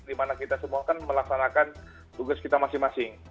dimana kita semua kan melaksanakan tugas kita masing masing